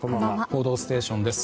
「報道ステーション」です。